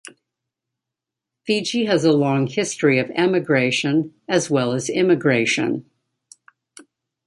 Fiji has a long history of emigration, as well as immigration.